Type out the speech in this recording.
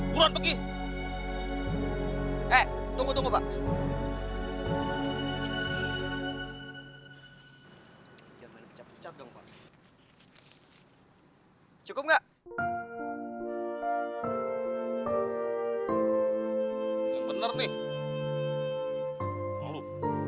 mungkin aku am captive pecat kali